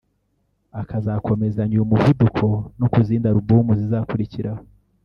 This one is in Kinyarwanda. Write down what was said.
akazakomezanya uyu muvuduko no kuzindi album zizakurikiraho